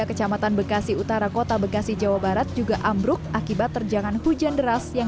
kecamatan bekasi utara kota bekasi jawa barat juga ambruk akibat terjangan hujan deras yang